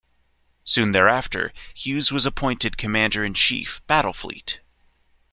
Soon thereafter, Hughes was appointed Commander in Chief, Battle Fleet.